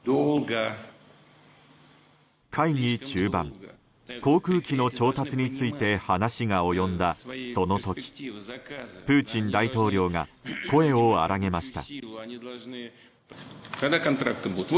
会議中盤航空機の調達について話が及んだその時プーチン大統領が声を荒げました。